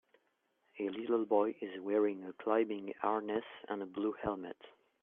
A little boy is wearing a climbing harness and a blue helmet